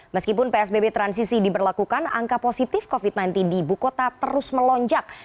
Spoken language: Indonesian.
meskipun psbb transisi diberlakukan angka positif covid sembilan belas di ibu kota terus melonjak